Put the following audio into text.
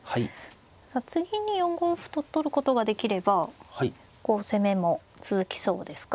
さあ次に４五歩と取ることができればこう攻めも続きそうですか。